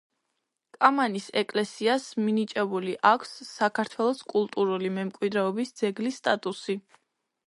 კამანის ეკლესიას მინიჭებული აქვს საქართველოს კულტურული მემკვიდრეობის ძეგლის სტატუსი.